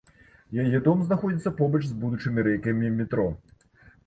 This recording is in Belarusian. Яе дом знаходзіцца побач з будучымі рэйкамі метро.